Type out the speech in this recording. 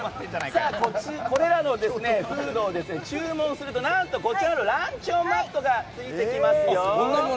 これらのフードを注文すると何とこちらのランチョンマットがついてきますよ。